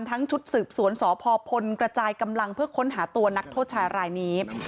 ชุดสืบสวนสพพลกระจายกำลังเพื่อค้นหาตัวนักโทษชายรายนี้